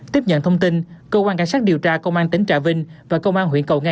tiếp nhận thông tin cơ quan cảnh sát điều tra công an tỉnh trà vinh và công an huyện cầu ngang